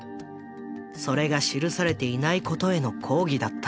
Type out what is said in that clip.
それが記されていないことへの抗議だった。